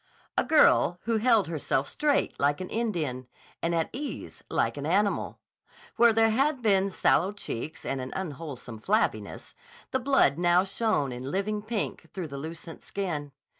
A girl who held herself straight like an Indian and at ease like an animal. Where there had been sallow cheeks and an unwholesome flabbiness, the blood now shone in living pink through the lucent skin.